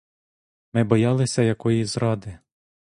Ми боялися якої зради.